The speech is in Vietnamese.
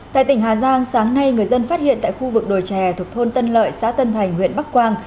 tại tỉnh hà giang sáng nay người dân phát hiện tại khu vực đồi trè thuộc thôn tân lợi xã tân thành huyện bắc quang